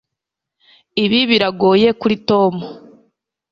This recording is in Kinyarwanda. Ibi biragoye kuri Tom